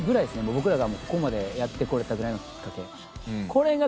僕らがここまでやってこれたぐらいのきっかけ。